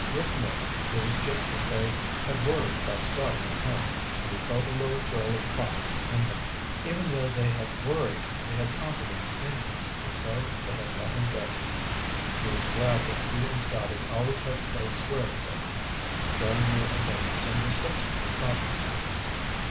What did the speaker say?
Rick knew it was just that they had worried about Scotty and him, and he felt a little thrill of pride in them. Even though they had worried, they had confidence in him and so they had let him go. He was glad that he and Scotty always had played square with them, sharing their adventures and discussing their problems.